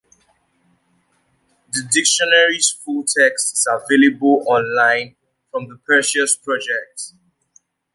The dictionary's full text is available on-line from the Perseus Project.